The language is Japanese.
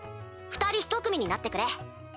二人一組になってくれ。